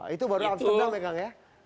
itu baru amsterdam ya kang